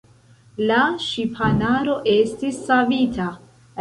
La ŝipanaro estis savita.